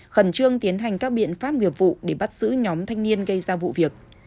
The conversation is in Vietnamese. khẩn trương tiến hành các biện pháp nghiệp vụ để bắt giữ nhóm thanh niên gây ra vụ việc